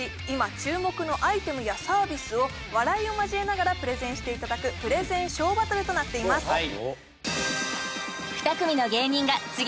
今注目のアイテムやサービスを笑いを交えながらプレゼンしていただくプレゼンショーバトルとなっています